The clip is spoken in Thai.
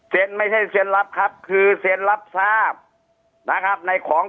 ไม่ใช่เซ็นรับครับคือเซ็นรับทราบนะครับในของ